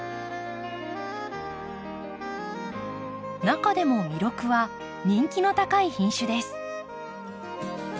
中でもミロクは人気の高い品種です。